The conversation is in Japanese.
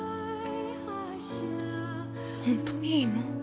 本当にいいの？